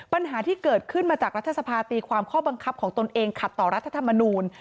ปัญหาที่เกิดขึ้นมาจากรัฐสภาตีความข้อบังคับของตนเองขัดต่อรัฐธรรมนูล